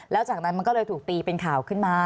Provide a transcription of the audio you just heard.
แล้วจากนั้นมันก็เลยถูกตีเป็นข่าวขึ้นมา